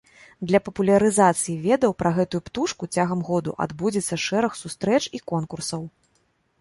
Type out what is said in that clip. Для папулярызацыі ведаў пра гэтую птушку цягам году адбудзецца шэраг сустрэч і конкурсаў.